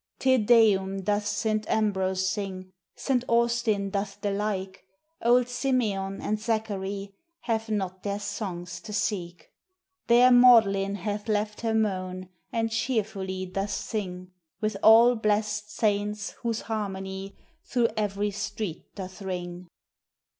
"Te Deum," doth Saint Ambrose sing, Saint Austin doth the like; Old Simeon and Zacharie Have not their songs to seek. There Magdalene hath left her moan, And cheerfully doth sing, With all blest saints whose harmony Through every street doth ring.